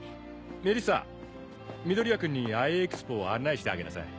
メリッサ緑谷君にＩ・エキスポを案内してあげなさい。